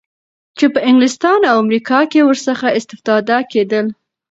چی په انګلستان او امریکا کی ورڅخه اسفتاده کیدل